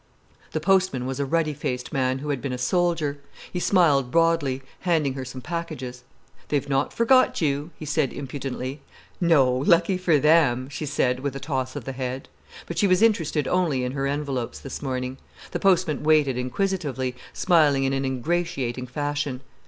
The postman was a ruddy faced man who had been a soldier. He smiled broadly, handing her some packages. "They've not forgot you," he said impudently. "No—lucky for them," she said, with a toss of the head. But she was interested only in her envelopes this morning. The postman waited inquisitively, smiling in an ingratiating fashion.